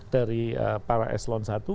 dari para eslon satu